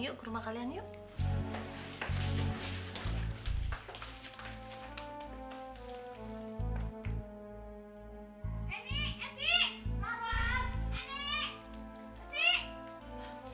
yuk ke rumah kalian yuk